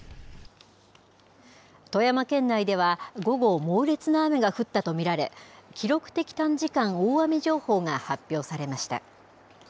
富山県内では、午後、猛烈な雨が降ったと見られ、記録的短時間大雨情報が発表されました。